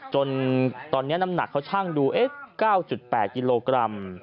จนตอนนี้น้ำหนักเขาช่างดู๙๘กิโลกรัม